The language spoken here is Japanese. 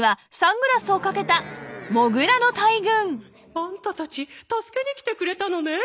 アンタたち助けに来てくれたのね！